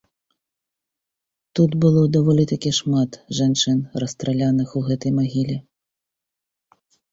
Тут было даволі такі шмат жанчын расстраляных у гэтай магіле.